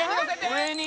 「上に！」